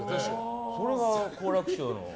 それが好楽師匠の。